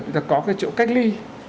chúng ta có cái chỗ cách ly